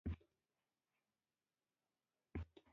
سیکروفیلیک بکټریاوې په کمه تودوخه کې وده کوي.